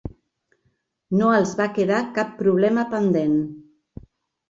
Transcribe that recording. No els va quedar cap problema pendent.